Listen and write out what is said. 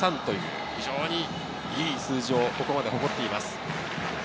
いい数字をここまで誇っています。